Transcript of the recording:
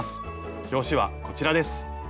表紙はこちらです。